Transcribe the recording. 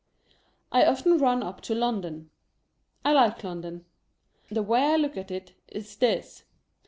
I often run up to London. I like London. The way I look at it is this.